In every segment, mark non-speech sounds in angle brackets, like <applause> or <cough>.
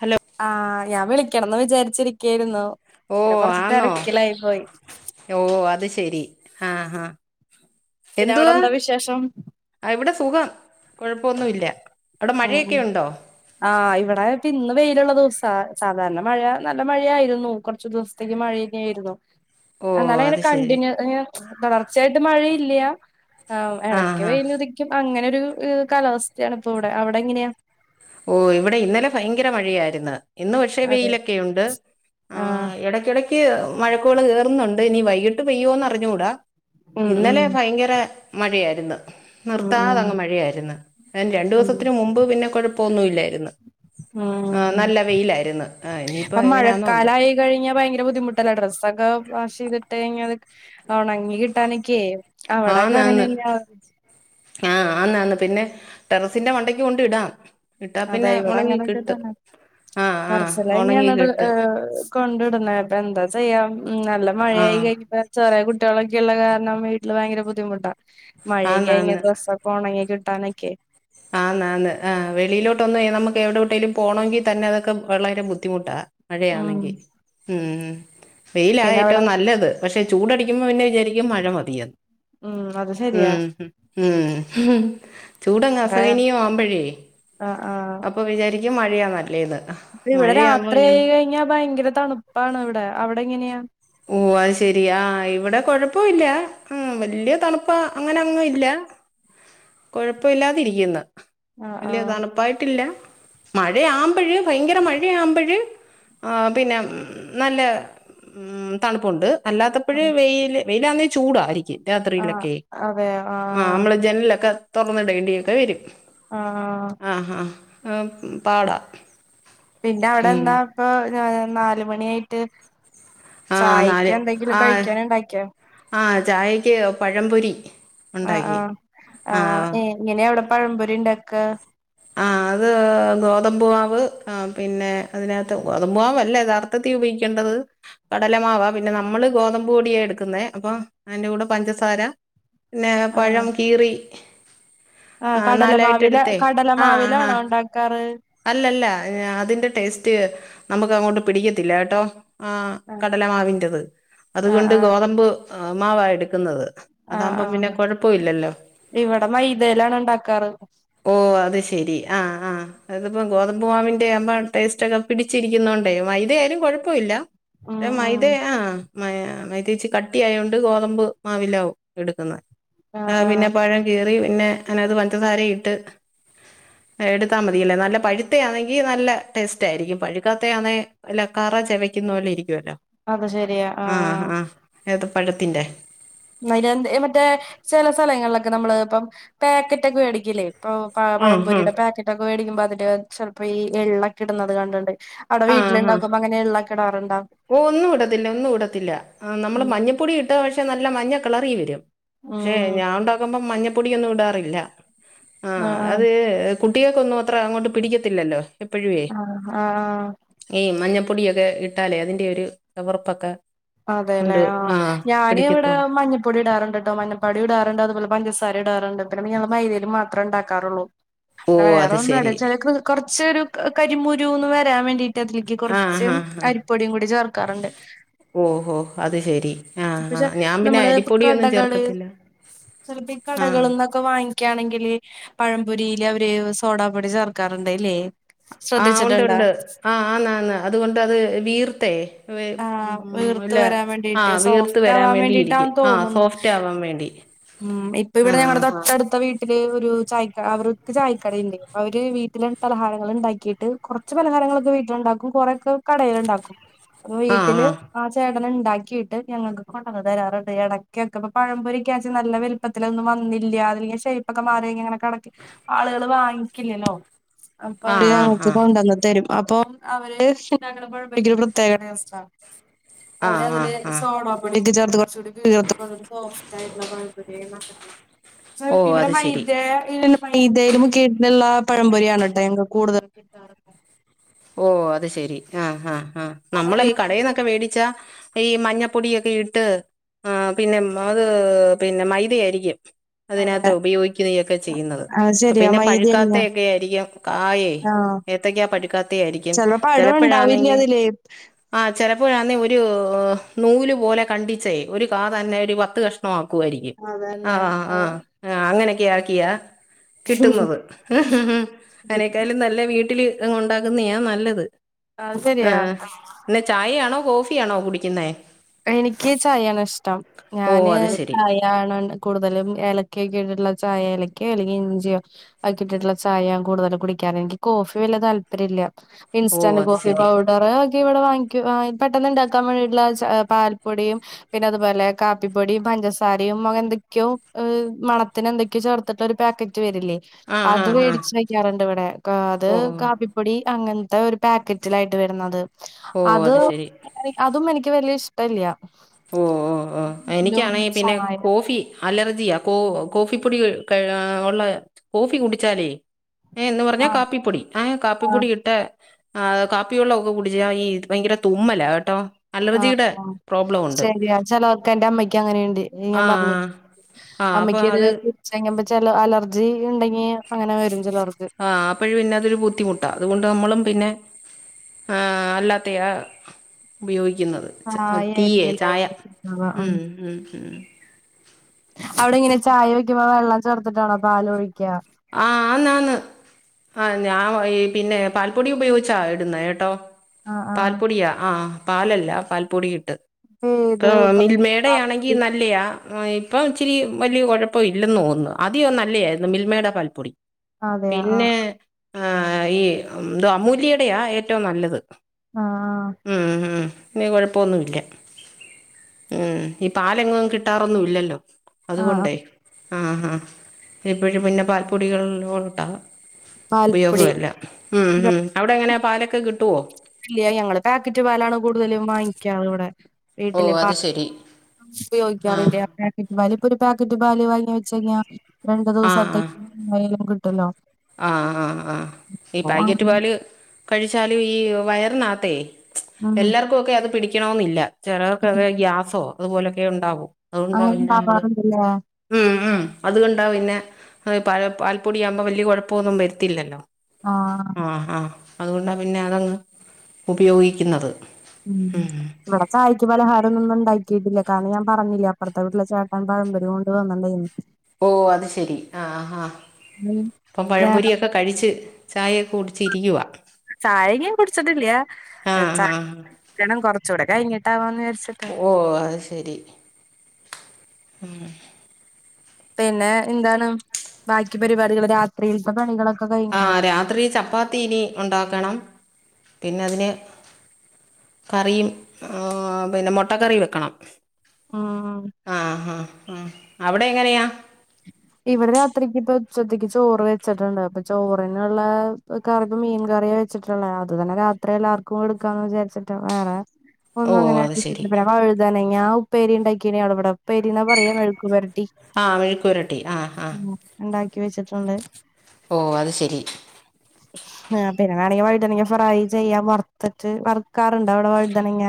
Hello ആ ഞാൻ വിളിക്കണംന്ന് വിചാരിച്ചി രുന്നു ഓ പിന്നെ കൊറച്ചിട്ട് ആന്നോ ഇരക്കിലായി പോയി ഓ അത് ശരി ആ ഹാ പിന്നെ അവിടെ എന്തുവാ എന്താ വിശേഷം ഇവിടെ സുഖം കുഴപ്പൊന്ന ഇല്ല അവിടെ ഉം മഴയൊക്കെ ഉം ഉണ്ടോ ആഹ് ഇവിടെ പിന്നന്ന് വെയിലുള്ള ദിവസാ സാധാരണ മഴ നല്ല മഴയായിരുന്നു കൊറച്ചു ദിവസത്തേക്ക് മഴയന്നെെയയിരുന്നു ഓ എന്നാല അങ്ങനെ അത് ശരി കണ്ടിന്യു തുടർച്ചയായിട്ട് മഴയില്ല ഇടയ്ക്ക് ആഹ് ആഹ് വെയിൽ ഉതിക്കും അങ്ങനെ കാലാവസ്ഥയാാണ് ഇപ്പോൊ ഇവിടെ അവിടെ എങ്ങനെയാ ഓ ഇവിടെ ഇന്നലെ ഭയങ്കര മഴയായിരുന്നു ഇന്ന് പക്ഷേ അതെ വെയിലൊക്കെുണ്ട് ആ ആഹ് ഇടക്കിടക്ക് മഴക്കോള് കയറുന്നുണ്ട് ഇനീ വൈകിട്ട് പെയ്യോന്ന് അറിഞ്ഞുകൂടാ ഉം ഉം ഇന്നലെ ഭയങ്കര മഴയായിരുന്നു ഉം നിർത്താത ഉം അങ്ങ് മഴയായിരുന്നു അന് രണ്ടു ഉം ദിവസത്തിനന് മുമ്പ് പിന്നെകൊഴപ്പം ഒന്നുംഇല്ലായിരുന്നു ഉ ആഹ് ഇനിയിപ്പോ അപ്പൊ എങ്ങനെയാന്നോ എന്തോ മഴക്കാലമായി കഴിഞ്ഞാ ഭയങ്കര ബുദ്ധിമുട്ട് ഡ്രസ്സൊക്കെ വാഷ് ചെയ്തിട്ട്ത്ട്ട് ഓണങ്ങി കിട്ടാനൊക്കെയ ആന്നന്ന് ആ ആന്നന്ന് പിന്നെ ടെറസിന്റെ വണ്ടയ്ക്ക് കൊണ്ട് ഇടാം ഇട്ടാ അതാ പിന്നെ ഇവിടെ ഉണങ്ങി അങ്ങനെയൊക്കെ കിട്ടും തന്നെ ആ ആ ടെറസില ഉണങ്ങി തന്നെയാണ് കിട്ടും കൊണ്ട പ്പ എന്താ ചെയ്യാം നല്ല ആ മഴയായിയി കഴിഞ്ഞ ചേറിയ കുട്ടി കുട്ടികളൊക്കെ ഉള്ള കാരണം വീട്ടിൽ ഭയങ്കര ബുദ്ധിമുട്ടാ മഴയൊക്കെഴ ആന്നാന്ന് ഡ്രസ്സ്സൊക്കെ ഉണങ്ങി സ്ഥാനക്കെ ആന്ന് ആന്ന് ആ വെളിയിലോട്ട് ഒന്ന് നമുക്ക് എവിടെവിട്ടേലും പോണമെങ്കിൽ തന്നെ അതൊക്കെ വളരെ ബുദ്ധിമുട്ടാ ഉം മഴയാണെങ്കി ഉ വെയില പിന്നെ അവിടെ ഏറ്റവും നല്ലത് പക്ഷെ ചൂടടിക്കുമ്പോ പിന്നെ വിചാരിക്കും മഴ മതിയാണ് ഉം അത് ശരിയാ ഉം ഉം ഉ ചൂടഗ് അസഹനിയും ആവുമ്പോഴേ ആ ഇപ്പ ഇവിടെ മഴയാവുമ്പോ രാത്രി ചെയയി വിചാരിക്കും കഴിഞ്ഞാൽ ഭയങ്കര തണുപ്പാണ് ഇവിടെ അവിടെ എങ്ങനെയാ ഓ അത് ശെരിയാ ഇവിടെ കൊഴപ്പല്ല ആ വല്ിയ തണുപ്പ അങ്ങനെ അങ്ങും ഇല്ല കുഴപ്പ ഇില്ലാതിരിക്കുന്നു ആഹ് വലിയ ആഹ് തണുപ്പായിട്ടില്ല മഴയാുമ്പഴ് ഭയങ്കര മഴയാവുമ്പഴ് ആ പിന്നെ നല്ല ഉം തണുപ്പുണ്ട് അല്ലാത്തപ്പോഴ് വെൽ വെയിലാന്ന ചൂടായിരിക്കും ആഹ് രാത്രിയിലൊക്കെ അതെ ആ ആഹ് നമ്മള് ജനിലൊക്കെ തുറന്നിടേണ്ടി ഒക്കെ വരും ആ ആ ആ പാടാ പിന്നെ അവിടെ ഉം എന്താ ഇപ്പ ഞ നാലുമണിയായിട്ട് ആ ചായക്ക് നാല് എന്തെങ്കിലും കഴിക്കാന ഉണ്ടാക്കിയാ ചായയ്ക്ക് പഴംപൊരി ആ ഉണ്ടാക്കി ആഹ് ആ ആഹ് ഏ ഇങ്ങനെയ അവിടെ പഴമ്പൊരുണ്ടക്ക് ആഹ് അത് ഗോതമ്പുവാവ് ആ പിന്നെ അതിനകത്ത് ഗോതമ്പുവാവ്ല്ലേ യഥാർത്ഥത്തി ഉപയോഗിക്കേണ്ടത് കടലമാവ പിന്നെ നമ്മള് ഗോതമ്പ് പൊടിയാണ് എടുക്കുന്നേ അപ്പ അതിന്റെ കൂടെ പഞ്ചസ പിന്നെ പഴം കീറി ആ് ആഹ് കടലമാവില നാലായിട്ടെടുത്തേ ആഹ് കടലമാവിലാണോ ആഹ് ഉണ്ടാക്കാറ് അല്ലല്ല അതിന്റെ ടേസ്റ്റ് നമുക്ക് അങ്ങോട്ട് പിടിക്കത്തില്ല കേട്ടോ ആ ആഹ് കടല മാവിൻറത് ആഹ് അതുകൊണ്ട് ആഹ് ഗോതമ്പ്് മാവ എടുക്കുന്നത് ആഹ് അതാകുമ്പം പിന്നെ ആഹ് കൊഴപ്പ ഇല്ലല്ലോ ഇവിടെ മൈദയിലാണ് ഉണ്ടാക്കാറ് ഓ അത് ശരി ആഹ ആഹ അതിപ്പോം ഗോതമ്പ് മാമാവിൻന്റെ ആകുമ്പോ ടേസ്റ്റ് ഒക്കെ പിടിച്ചിരിക്കുന്ന കൊണ്ടേ ഇത ആായാലും കുഴപ്പമ ഇില്ല ഉം േ മ ഉം ഇതദേ ആ മ മൈത്തേച്ച കട്ടി ആയതോൊണ്ട് ഗോതമ്പ് മാവില എടുക്കുന്നത് ആഹ് ആ ആഹ് പിന്നെ പഴം കീറി പിന്നെ അതിനത് പഞ്ചസാര ഇട്ട് എടുത്താൽ മതി മതില്ലേ നല്ല പഴുത്ത ആണെങ്കിൽ നല്ല ടേസ്റ്റ് ആയിരിക്കും പഴുക്കാത്ത ആണ അല്ല കറ ചെവക്കുന്ന പോലെ ഇരിക്കും ോ അത് ശെരിയാ ആഹ ആഹ് ആ ഏത് പഴത്തിന്റെ നര മറ്റേ ചില സ്ഥലങ്ങളിലൊക്കെ നമ്മള് ഇപ്പം പാക്കറ്റ ഒക്കെ മേടിക്കല്ലേ ഇപ്പൊ പ ഉം ഉം. പഴംപൊരിയുടെ പാക്കറ്റൊക്കെ മേടിക്കുമ്പോ അതില് ചിലപ്പോ ഈ എള്ളൊക്കെ ഇടുന്നത് കണ്ടിണ്ട് അവിടെ ആ ആ. വീട്ടിലുണ്ടാക്കകുമ്പോ അങ്ങനെ ഉെള്ള കിടാറുണ്ടാവും ഓ ഒന്നും വിടത്തില്ല ഒന്നും വിടത്തില്ല നമ്മൾ ഉം മഞ്ഞപ്പൊടി ഇട്ട പക്ഷെ നല്ല മഞ്ഞ കളറി വരും പക്ഷെ ഉം ഞാൻ ഉണ്ടോാക്കുമ്പോ മഞ്ഞപ്പൊടിയൊന്നും ഇടാറില്ല ആ അത് ആഹ് കുട്ടികൾക്കൊന്നും അത്ര അങ്ങോട്ട് പിടിക്കത്തില്ലല്ലോ എപ്പോഴേ ആഹ് ആഹ് ആഹ് മ പൊടിയൊക്കെ ഇട്ടാലേ അതിൻന്റെറെ ഒരു കവറുപ്പൊക്കെ അതെല്ലേ ആ ഞാന് ഇവിടെ മഞ്ഞപ്പൊടി ഇടാറുണ്ട്ട്ടോ മഞ്ഞപ്പാടി ഇടാറുണ്ട് അതുപോലെ പഞ്ച ഇടാറുണ്ട് പിന്നെ ഞമ്മൾ വൈതലും മാത്രമ ഉണ്ടാക്കറുള്ളൂ ഓ വേറെ അത് ഒന്നട ശരി ചില കൊറച്ച ഒരു കരിമുരുന്ന് വരാൻ വേണ്ടിട്ട് മറ്റത്തിലലേക്ക് ആ കൊറച്ച ഹാ ഹാ അരിപ്പൊടിയും കൂടി ചേർക്കാറുണ്ട് ഓഹോ അത് ശെരി ആഹ പക്ഷെ ആ് ഞാൻ പിന്നെ അരിപ്പൊടിയ ഒന്നും ചേർക്കത്തില്ല ചെിലപ്പോ ഈ ആ കടകളന്നൊക്കെ വാങ്ങിക്കയാണെങ്കില് പഴപൊരിൽ അവര് സോടാപ്പൊടി ചേർക്കാറുണ്ടല്ലേ ആഹ ഉണ്ട് ഉണ്ട് ആ ആന്നന്ന് അതുകൊണ്ട് അത് വീർത്തേ വേ ആഹ് വീർത്ത് ഉല്ലേ വരാൻ ആ വേണ്ടിട്ട് വീർത്ത് സോഫ്റ്റ് വരാൻ ആവാൻ വേണ്ടിയിരിക്കും വേണ്ടിട്ടാന്ന് ആ തോന്നുന്നു സോഫ്റ്റ് ആവാൻ വേണ്ടി ഉം ഇപ്പ ഇവിടെ ആഹ് ഞങ്ങടെ തൊട്ടടുത്ത വീട്ട് ത്തടെ ഒരു ചായ ക്കട അവർക്ക് ചായക്കടണ്ട് അവര് വീട്ടില് പലഹാരങ്ങൾ ഉണ്ടാക്കിയിട്ട് കുറച്ചു പലഹാരങ്ങൾ ലഹാരങ്ങളൊക്കെ വീട്ടിലുണ്ടാക്കും കുറെക്കെ കടെ ഉണ്ടാക്കും അപ്പം ആഹ് വീട്ടില് ആഹ് ആ ചേട്ടന്റെ ഉണ്ടാക്കിയിട്ട് ഞങ്ങൾക്ക് കൊണ്ടന്ന് തരാറുണ്ട് ഇടക്കൊക്കെ അപ്പം പഴംപൊരി ത്തിൽ നല്ല വലുപ്പത്തിലൊന്നും വന്നില്യ അതിന്റെ ഷേപ്പൊക്കെ മാറിങ്ങനെ കിട ആളുകൾ വാങ്ങി യ്ക്കില്ലല്ലോ അപ്പൊ അവര് ആഹ് ഞ ആഹ് ങ്ങക്ക് ആഹ് കൊണ്ടുവന്ന് തരും അപ്പം അവര് <unintelligible> ക്ഷാക്കണപ്പോഴക്ക ഒരു പ്രത്യേകതസ്ഥ അവര് ആഹ് അതില് ആഹ് ആഹ് ആഹ് സോഡാപൊടി ഒക്കെ ചേർത്തെ കൊറച്ചൂടി <unintelligible> ചെറുറ ഓ ഇവിടെ അത് മൈ ശരി <unintelligible> മൈദേലെ മുക്കിട്ടിലുള്ള പഴംമ്പൊരി ആണേട്ടോ ഞങ്ങക്കെ കൂടുതലെ ഓ അത് ശെരി ആ ആ ആ നമ്മളീ കടലമാവ് കടയിൽന്നൊക്കെ മേടിച്ചാ ഈ മഞ്ഞപ്പൊടിയൊക്കെ ഇട്ട് ആ പിന്നെ അത് പിന്നെ മൈദയാരിക്കും അതിനകത്ത് അതെ ഉപയോഗിക്കുന്യൊക്കെ ചെയ്യുന്നത് അത് ശരിയാ പിന്നെ മൈദ പഴുക്കാത്ത തന്നെയാ ഒക്കെ ആയിരിക്കും കായേ ആഹ് ഏത്തക്കാ പഴി ട്ടയടിക്കും ചെലപ്പോ പടം ഉണ്ടാവില്ല ചെലപ്പഴാണെങ്കിൽ അതില് ചെലപ്പാ ചിലപ്പോഴാന്നേ ഒരു നൂല് പോലെ കണ്ടിച്ചേ ഒരു കാതന്നെ ഒരു പത്ത് കഷ്ണമാക്കും ക്കുവാരിക്കും ആ അതന്നെ ആ ആഹ് ആ അങ്ങനൊക്കെ ആക്കിയാ കിട്ടുന്നത് അതിനേക്കാളും നല്ല വീട്ടിലിതങ്ങോട്ടാക്കുന്നെയാ നല്ലത് അത് ആ ശരിയാ പിന്നെ ചായയാണോ കോഫിയാണോ കുടിക്കുന്നേ എനിക്ക് ചായയാണ് ഇഷ്ടം ഓ ഞാന് അത് ശരി ചായയാണ് കൂടുതലും ഏലക്കയൊക്കെ ഇട്ടിട്ടുള്ള ചായഏലക്കയോ അല്ലെങ്കിൽ ഇഞ്ചിയോ ഒക്കെ ഇട്ടിട്ടുള്ള ചായ കൂടുതലും കുടിക്കാറ് എനിക്ക് കോഫ് കോഫി വല്യ താല്പര്യം ഇല്ല ഓ ഇൻസ്റ്റനെ അത് കോഫി ശരി പൗഡറെ ഇവിടെ വാങ്ങിക്കും ആ പെട്ടെന്നു ഉണ്ടാക്കാൻ വേണ്ടീട്ടുള്ള ചായെപ് പാൽപ്പൊടിയും പിന്നെ അതുപോലെ കാപ്പിപ്പൊടിയും പഞ്ചസാരയും എന്തൊക്കെയോ മണത്തിനെ എന്തൊക്കെയോ ചേർത്തിട്ടിള്ള ഒരു പാക്കറ്റ് റ്റു വരില്ലേ ആഹ് അത് ആഹ് ആഹ് മേടിച്ച് വയ്ക്കാറുണ്ടിവിടെ ക അത് ഓ കാപ്പിപ്പൊടി അങ്ങനത്തെ ഒരു പായ്ക്കറ്റിലായിട്ട് വരുന്നത് ഓ അത് ശരി അതും എനിക്കെ എനിക്ക് വലിയ ഇഷ്ട്ടില്യ ഓ ഓ ഓ എനിയ്ക്കാണെങ്കി പിന്നെ ചായ കോഫി അലർജിയാ കോ കോഫിപ്പൊടി ഉള്ള കോഫി കുടിച്ചാലേ ഏ എന്നു പറഞ്ഞാ ആഹ് കാപ്പിപ്പൊടി ങേ ആഹ് കാപ്പിപ്പൊടി ഇട്ടേ ആ കാപ്പിവെള്ളമൊക്കെ കുടിച്ചാ ഈ ഭയങ്കര തുമ്മല കേട്ടോ ആഹ് അലർജിയുടെ ആഹ് പ്രോബ്ലം ഉണ്ട് ശരിയാ ചിലവർക്ക് എന്റെ അമ്മയ്ക്ക് അങ്ങനെയുണ്ട് ഞാൻ പറഞ്ഞ ആഹ് ആഹ് ആഹ് അപ്പൊ അമ്മയ്ക്ക് ഇത് അത് കുച്ചങ്ങ ചില അലർജി ഉണ്ടെങ്കി അങ്ങനെ വരും ചിലർക്ക് ആ ആപ്പിൾ പിന്നെതൊരു ബുദ്ധിമുട്ടാ അതുകൊണ്ട് നമ്മളും പിന്നെ ആ അല്ലാത്തെയാ ഉപയോഗി ക്കുന്നതെ ചായ ടീയേ ആയിരിക്കല്ലേ ചായ കുടിക്കുന്നത് ഉ ഉം അവിടെ ഇങ്ങനെ ചായ വെക്കുമ്പോ വെള്ളം ചേർത്തിട്ടാണോ പാലൊഴിക്യാ ആ ആന്നാന്ന ആ ഞാൻ വൈ ഈ പിന്നെ പാൽപ്പൊടി ഉപയോഗിച്ചാ ഇടുന്നേ കേട്ടോ ആഹ് ആഹ് പാൽപ്പൊടിയാ ആ പാലല്ല പാൽപ്പൊടി ഇട്ട് ഇപ്പ ആ ഏത് ഗൗ- മിൽമേടയാണെങ്കി പാൽപ്പൊടിയാ? നല്ലയാ ആ ഇപ്പം ഇച്ചിരി വലിയ കുഴപ്പം ഇല്ലെന്ന് തോന്നുന്നു ആദ്യം നല്ലതായിരുന്നു മിൽമേടെ പാൽപ്പൊടി അതേയ ആ പിന്നെ ആ ഈ എന്തുവാ അമൂല്യേടെയാ ഏറ്റവും നല്ലത് ആഹ് ഉം ഉം ഇനി കുഴപ്പൊന്നുമില്ല ഉം ഈ പാലെങ്ങും കിട്ടാറൊന്നും ഇല്ലല്ലോ ആഹ് ആഹ് അതുകൊണ്ടേ ആ ആ എപ്പഴും പിന്നെ പാൽപ്പൊടികളല്ലട്ടോ പാൽപ്പൊടി ഉപയോഗമല്ല ഉം ഉം അവിടെങ്ങനാ പാലൊക്കെ കിട്ടുവോ ഇല്ലയ ഞങ്ങള് പാക്കറ്റ് പാലാണ് കൂടുതലും വാങ്ങിക്കാറ് ഇവിടെ ഓ വീട്ടില പ അത് ശരി ഉപയോഗിക്കാറില്ലേ ആ പാക്കറ്റ് പാലും ഇപ്പ ഒരു പാക്കറ്റ് ബാല് വാങ്ങി വെച്ച കഴിഞ്ഞാ രണ്ടു ആ ദിവസത്തേ ആ എങ്ങനേലും കിട്ടല്ലോ ആ ആഹ് ആഹ് ഈ അപ്പൊ പാക്കറ്റ് അങ്ങനെ പാല് കഴിച്ചാല് ഈ വയറിനകത്തേ ഉം എല്ലാർക്കുക്കെ അത് പിടിക്കണന്നില്ല ചെലെർ ഉം ക്കൊക്കെ ഗ്യാസോ അതുപോലൊക്കെ ഉണ്ടാകും അതുകൊണ്ടാ അങ്ങനെ പിന്നെ നമ്മള് ഉണ്ടാവാറുണ്ടല്ലേ ഉം ഉം അതുകൊണ്ടാ പിന്നെ അത് പാൽപ്പൊടിയകുമ്പോ വല്യ കുഴപ്പമൊന്നും വരുത്തില്ലല്ലോ ആഹ് ആ ആഹ അതുകൊണ്ടാണ് പിന്നെ അതങ്ങ് ഉപയോഗിക്കുന്നത് ഉം ഇവിടെ ചായിക്ക് പലഹാരന്നുംണ്ടാക്കി ആക്കിട്ടില്ല കാര ഞാൻ പറഞ്ഞില്ല അപ്പുറത്തെ വിട്ടിലെചേട്ടൻ പഴമ്പൊരി കൊണ്ട് വന്നതേ വന്നിണ്ടായിരുന്നു ഓ അത് ശെരി ആ ഹ ഉം അപ്പം ഞാ- പഴപൊരിയൊക്കെ കഴിച്ച് ചായയൊക്കെ കുടിച്ച് ഇരിക്കുക ചായങ്ങും കുടിച്ചിട്ടില്ല ആഹ് ചായ ആഹ് <unintelligible> കുറച്ചൂടെ കഴഞ്ഞിട്ടാവാന്ന് കരുതി ഓ അത് ശരി ഉം പിന്നെ എന്താണ് ബാക്കി പരിപാടികൾ രാത്രിത്തെ പണികളൊ ആ രാത്രി ചപ്പാത്തിനി ഉണ്ടാക്കണം പിന്നെ അതിന് കറിയും പിന്നെ മുട്ടക്കറിയും വെക്കണം ഉം ആഹ ആഹ് ആ അവിടെ എങ്ങനെയാ ഇവിടെ രാത്രിക്ക് ഇപ്പ ഉച്ചത്തക്ക് ചോറ് വെച്ചിട്ടുണ്ട് അപ്പൊ ചോറിനുള്ള കറ മീൻ കറിയ ച്ചിട്ടുള്ളേ അത്തന്നെ രാത്രില്ല ആർക്കും എടുക്കാന്ന് വിചാരിച്ചിട്ട് വേറെ ഓ ഒന്നും അത് ശരി <unintelligible> വൈദനങ്ങ ഉപ്പേരി ഉണ്ടാക്കിയ അവടെ ഇവിടെ പേരനാ പറയാ മേഴക്കു പരട്ടി കുരട്ടി ആ ആ ഉണ്ടാക്കി വെച്ചിട്ടുണ്ട് ഓ അത് ശരി ആ പിന്നെ വേണമെങ്കിൽ വഴുതണങ്ങ ഫ്രൈ ചെയ്യാ വറുത്തിട്ട് വറുക്കാറുണ്ടോ അവിടെ വഴുതണങ്ങ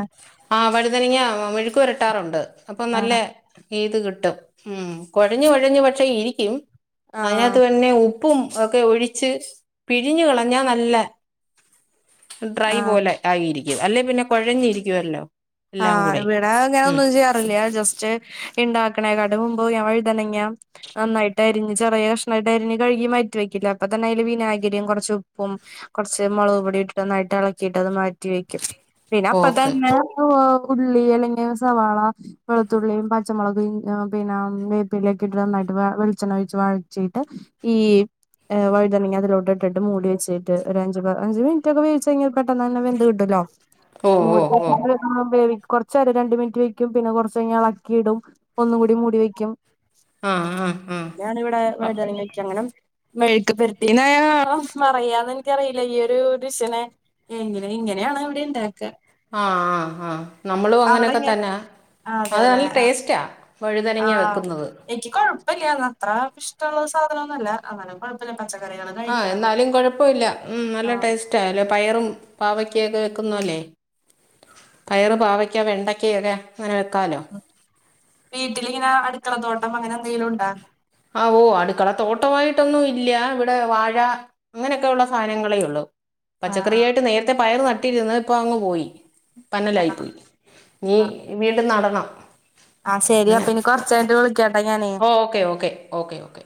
ആ വഴുതനങ്ങ മെഴുക്ക് വരട്ടാറുണ്ട് അപ്പൊ നല്ല ആഹ് ഏത് കിട്ടും ഉം കുഴഞ്ഞു കുഴഞ്ഞു പക്ഷെ ഇരിക്കും അതിനകത്ത് തന്നെ ഉ ഉപ്പും ഒക്കെ ഒഴിച്ച് പിഴിഞ്ഞു കളഞ്ഞാ നല്ല ഡ്രൈ ആഹ് പോലെ ആയിയിരിക്കു അല്ലെ പിന്നെ കുഴഞ്ഞിരിക്കുവല്ലോ ആ ഇവിടെ ഇങ്ങനെ ഒന്നും ചെയ്യാറില്ല ജസ്റ്റ് ഉണ്ടാക്കണേ കട മുമ്പ് ഞാൻ വഴുതനങ്ങ നന്നായിട്ടായിരിക്കും ചെറിയ കഷ്ണമായിട്ട് അരി കഴുകി മാറ്റ വെക്കില്ല അപ്പൊ തന്നെ അതില് വിനാഗിരിയും കുറച്ച് ഉപ്പും കുറച്ച് മുളകും <unintelligible> ഇളക്കിയിട്ട് അത് മാറ്റി വെക്കും പിന്നെ അപ്പൊ ഓക്കെ തന്നെ ഉള്ളി അല്ലെങ്കി സവാള വെളുത്തുള്ളി പച്ചമുളക് വേപ്പില നന്നായിട്ട് വെളിച്ചെണ്ണ ഒഴച്ച് വഴച്ചിട്ട് ഈ വഴുണങ്ങി അതിലോട്ട ഇട്ടിട്ട് മൂള വെച്ചിട്ട് ഒരു അഞ്ച് അഞ്ച് മിനിറ്റക്കെ വേവിച്ച യിഞ്ഞാൽ പെട്ടന്നന്നെ പെന്ത്ന്ത് കിട്ടല്ലോ ഓ ഓ ഓ പേവിക്കുംകുറച്ച രണ്ട മിനിറ്റ് വെക്കും പിന്നെ കൊറച്ച് കഴിഞ്ഞാഞ് ഇളക്കി ഇടും ഒന്നും കൂടി മൂടി വെക്കും ആ ആ ആ ഞൻ ഇവിടെ ആ വൈദനക്കങ്ങനെ മെഴുക്ക് പരത്തി മറയാന്ന് എനിക്കറിയില്ല ഈയ ഒരു ദഷനെ എങ്ങനെ ഇങ്ങനെ ആണ അവിടെ ഉണ്ടാക്കുക ആ ആ ആനമ്മളും അവിടെ അങ്ങനെയൊക്കെ ഇങ്ങ തന്നെ അത് അതെല്ലേ നല്ല ആഹ് ടേസ്റ്റാ വഴുതനങ്ങ വെക്കുന്നത് വല്ല അത്ര ഇഷ്ടുള്ള സാധനം ഒന്നുമല്ല അങ്ങനെ കുഴപ്പ ആ എന്നാലും കുഴപ്പമില്ല ഉം നല്ല ആഹ് ടേസ്റ്റാ ലോ പയറും പാവക്കൊക്ക വെക്കുന്നു അല്ലേ പയറ് പാവക്ക വെണ്ടക്ക ഒക്കെ അങ്ങനെ വെക്കാലോ വീട്ടിലിങ്ങനെ അടുക്കളത്തോട്ടം അങ്ങനെ എന്തെങ്കിലും ഉണ്ടോ ആവഓ അടുക്കള തോട്ടമായിട്ടൊന്നും ഇല്ല ഇവിടെ വാഴ അങ്ങനെയൊക്കെ ഉള്ള സാധനങ്ങളേ ഉള്ളു ആഹ് പച്ചക്കറിയായിട്ട് നേരത്തെ പയറ് നട്ടിയിരുന്ന് ഇപ്പ അങ്ങ് പോയി പനലായി ആഹ് പോയി നീ വീട്ും നടണം ആഹ ശരി അങ്ങനെ അപ്പൊ ഇനി കൊറച്ചായിട്ട് വിളിക്ക ഓ ഓക്കേ ഓക്കേ ഓക്കെ ഓക്കെ